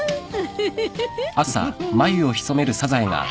フフフッ。